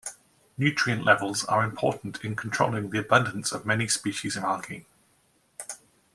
Nutrient levels are important in controlling the abundance of many species of algae.